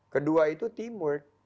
kedua itu teamwork